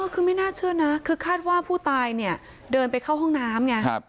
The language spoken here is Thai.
คือไม่น่าเชื่อนะคือคาดว่าผู้ตายเนี่ยเดินไปเข้าห้องน้ำไง